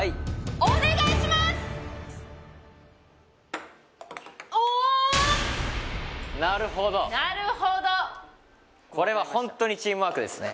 ・おおなるほど・なるほどこれはホントにチームワークですね